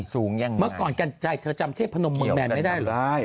สูงอย่างไรเมื่อก่อนกันใจเธอจำเทพนมเหมือนแม่นไม่ได้หรือ